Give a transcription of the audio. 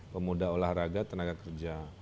pemuda olahraga tenaga kerja